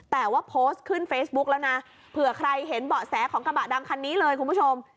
แต่ว่าโพสต์ขึ้นเฟซบุ๊กแล้วนะเผื่อใครเห็นเบาะแสของกระบะดำคันนี้เลยคุณผู้ชม